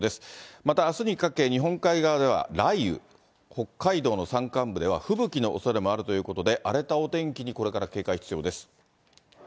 また、あすにかけ、日本海側では雷雨、北海道の山間部では吹雪のおそれもあるということで、荒れたお天気にこれから警戒必要です。